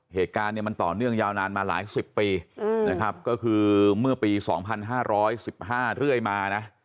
เหตุการณ์เนี่ยมันต่อเนื่องยาวนานมาหลายสิบปีนะครับก็คือเมื่อปี๒๕๑๕เรื่อยมานะ